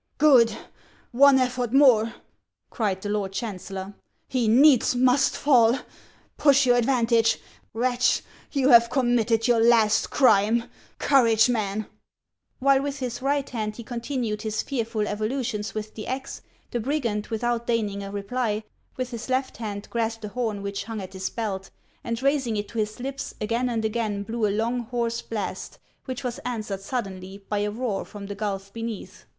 " Good ! one effort more !" cried the lord chancellor ;" he needs must fall ; push your advantage ! Wretch, you have committed your last crime. Courage, men !" While with his right hand he continued his fearful evolutions with the axe, the brigand, without deigning a reply, with his left hand grasped a horn which hung at his belt, and raising it to his lips, again and again blew a long, hoarse blast, which was answered suddenly by a roar from the gulf beneath.